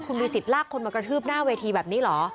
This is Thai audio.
คุณมีสิทธิ์ลากคนมากระทืบหน้าเวทีแบบนี้เหรอ